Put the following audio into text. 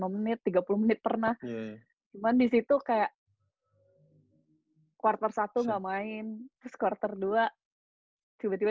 dua puluh lima menit tiga puluh menit pernah cuman disitu kayak quarter satu gak main terus quarter dua tiba tiba